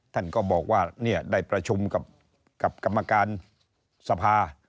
ท่านก็บอกว่าได้ประชุมกับกรรมการสภา